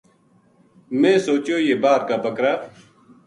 میں سوچیو یہ باہر کا بکر ا